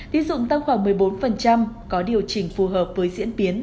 tí dụng tăng khoảng một mươi bốn có điều chỉnh phù hợp với diễn biến